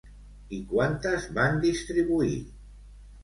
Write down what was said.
I quantes van distribuir?